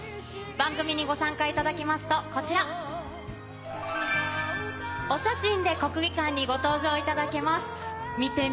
番組にご参加いただきますと、こちら、お写真で国技館に登場いただけます。